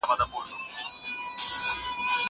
زه اوږده وخت ليکلي پاڼي ترتيب کوم!!